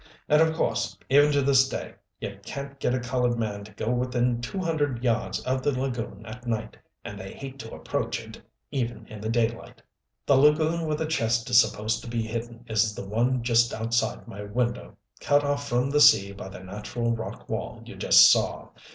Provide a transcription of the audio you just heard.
And of course, even to this day, you can't get a colored man to go within two hundred yards of the lagoon at night, and they hate to approach it even in the daylight. "The lagoon where the chest is supposed to be hidden is the one just outside my window, cut off from the sea by the natural rock wall you just saw.